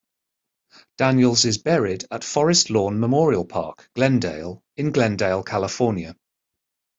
Daniels is buried at Forest Lawn Memorial Park, Glendale in Glendale, California.